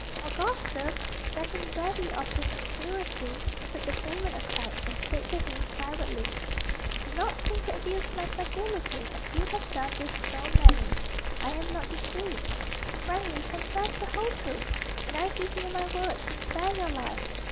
Augustus, getting weary of the conspiracy, took the claimant aside, and said to him privately: "Do not think to abuse my credulity as you have done with so many. I am not deceived. Frankly confess the whole truth, and I give you my word to spare your life.